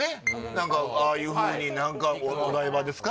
何かああいうふうに何かお台場ですか？